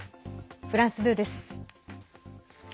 フランス２です。